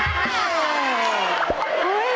ฉันแบบนั้น